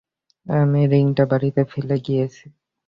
আমি রিংটা বাড়িতে ফেলে গিয়েছো।